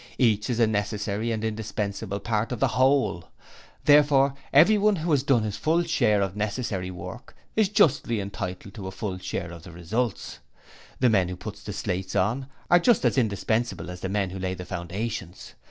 Each is a necessary and indispensable part of the whole; therefore everyone who has done his full share of necessary work is justly entitled to a full share of the results. The men who put the slates on are just as indispensable as the men who lay the foundations.